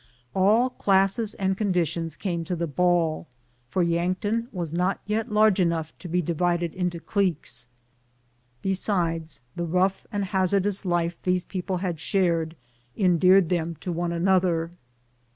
All classes and conditions came to the ball, for Yankton was not yet large enough to be divided into cliques; besides, the rough and hazardous life these people had shared endeared them to one another.